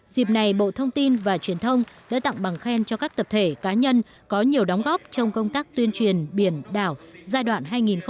dịp này bộ thông tin và truyền thông đã tặng bằng khen cho các tập thể cá nhân có nhiều đóng góp trong công tác tuyên truyền biển đảo giai đoạn hai nghìn một mươi chín hai nghìn hai mươi